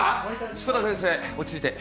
志子田先生落ち着いて。